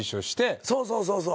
そうそうそうそう。